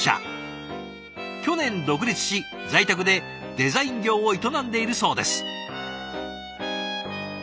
去年独立し在宅でデザイン業を営んでいるそうです。